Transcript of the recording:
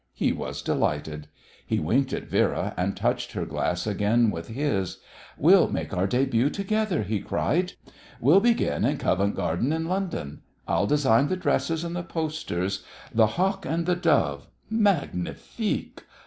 He was delighted. He winked at Vera and touched her glass again with his. "We'll make our début together," he cried. "We'll begin at Covent Garden, in London. I'll design the dresses and the posters 'The Hawk and the Dove!' _Magnifique!